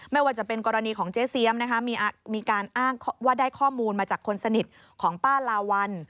ไม่ว่าจะเป็นกรณีของเจ๊เซียมนะคะมีการอ้างว่าได้ข้อมูลมาจากคนสนิทของป้าลาวัล